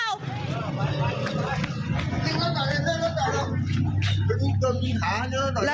แล้วใครอ่ะ